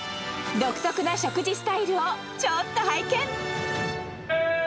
独特な食事スタイルをちょっと拝見。